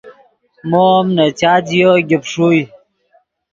مو ام نے چات ژیو گیپ ݰوئے